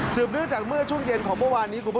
ศึกษ์จากเมื่อช่วงเย็นของเมื่อวานนี้